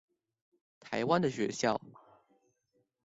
台灣的學校